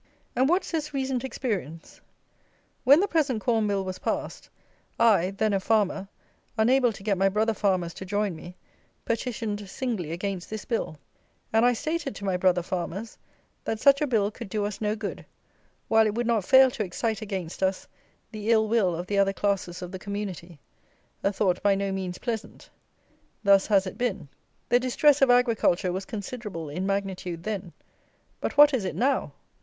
And what says recent experience? When the present Corn Bill was passed, I, then a farmer, unable to get my brother farmers to join me, petitioned singly against this Bill; and I stated to my brother farmers, that such a Bill could do us no good, while it would not fail to excite against us the ill will of the other classes of the community; a thought by no means pleasant. Thus has it been. The distress of agriculture was considerable in magnitude then; but what is it now?